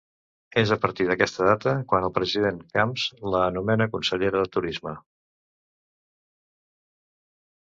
És a partir d'aquesta data quan el president Camps la nomena consellera de Turisme.